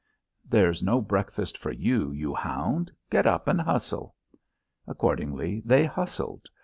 "There's no breakfast for you, you hound! Get up and hustle." Accordingly they hustled.